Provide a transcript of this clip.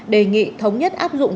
đề nghị thống nhất áp dụng